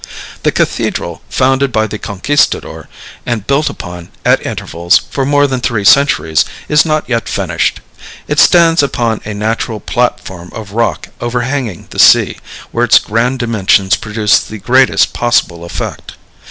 The Cathedral, founded by the Conquistador, and built upon, at intervals, for more than three centuries, is not yet finished. It stands upon a natural platform of rock, overhanging the sea, where its grand dimensions produce the greatest possible effect.